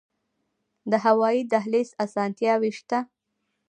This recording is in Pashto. د هوایی دهلیز اسانتیاوې شته؟